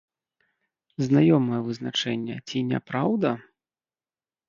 Знаёмае вызначэнне, ці не праўда?